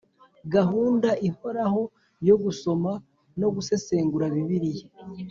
Gahunda ihoraho yo gusoma no gusesengura bibiliya